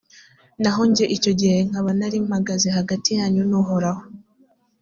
naho jye icyo gihe nkaba nari mpagaze hagati yanyu n’uhoraho,